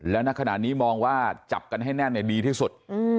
แล้วณขณะนี้มองว่าจับกันให้แน่นดีที่สุด